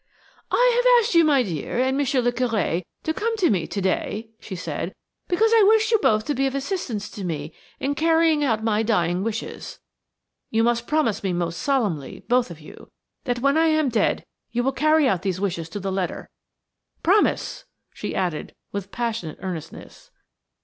"I have asked you, my dear, and Monsieur le Curé, to come to me to day," she said, "because I wish you both to be of assistance to me in the carrying out of my dying wishes. You must promise me most solemnly, both of you, that when I am dead you will carry out these wishes to the letter. Promise!" she added with passionate earnestness.